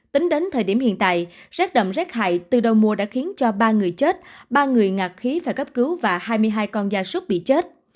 tính đến thời điểm hiện tại rét đậm rét hại từ đầu mùa đã khiến cho ba người chết ba người ngạc khí và cấp cứu và hai mươi hai con da súc bị chết